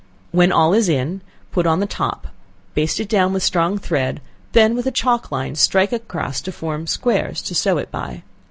When all is in, put on the top, and baste it down with strong thread; then with a chalk line strike across, to form squares to sew it by.